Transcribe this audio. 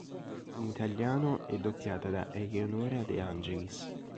In italiano è doppiata da Eleonora De Angelis.